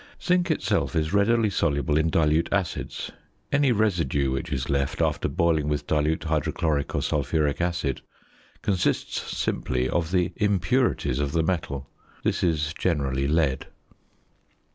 Zinc itself is readily soluble in dilute acids; any residue which is left after boiling with dilute hydrochloric or sulphuric acid consists simply of the impurities of the metal; this is generally lead.